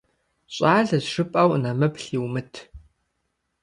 ЩӀалэщ жыпӀэу нэмыплъ йумыт.